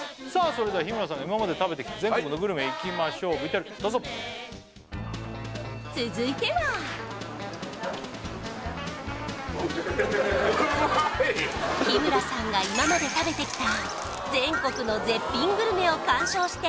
それでは日村さんが今まで食べてきた全国のグルメいきましょうＶＴＲどうぞ続いては日村さんが今まで食べてきた